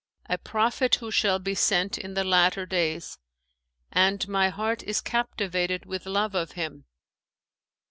a prophet who shall be sent in the latter days; and my heart is captivated with love of him.